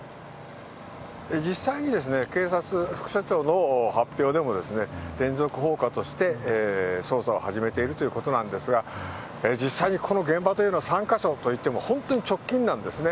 実際に警察、副署長の発表でも連続放火として捜査を始めているということなんですが、実際にこの現場というのは、３か所といっても、本当に直近なんですね。